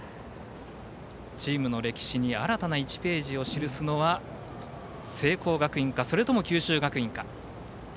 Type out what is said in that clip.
チームの歴史に新たなページを記すのは、聖光学院かそれとも九州学院か。